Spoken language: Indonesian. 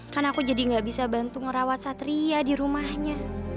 kan aku jadi gak bisa bantu ngerawat satria di rumahnya